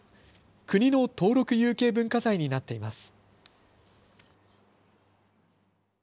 国の登録有形文化財になってます。